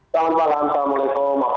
selamat malam assalamualaikum